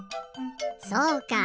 そうか。